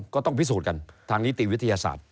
ก็ต้องพิสูจน์กันทางนิติวิทยาศาสตร์